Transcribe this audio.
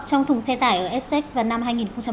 trong thùng xe tải ở essex vào năm hai nghìn một mươi